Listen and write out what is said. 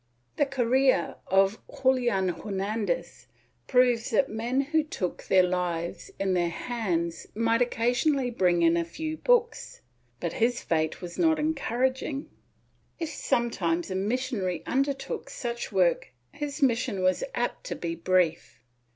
^ The career of Julian Hernandez proves that men who took their lives in their hands might occasionally bring in a few books, but his fate was not encouraging. If some times a missionary undertook such work his mission was apt to be brief.